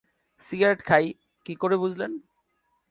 Cigarette খাই, কী করে বুঝলেন?